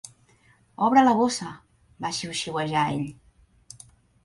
"Obre la bossa!", va xiuxiuejar ell.